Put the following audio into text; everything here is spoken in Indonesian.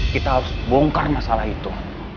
kita harus bongkar masalah itu